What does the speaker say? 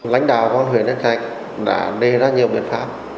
lãnh đạo công an huyện nhân trạch đã đề ra nhiều biện pháp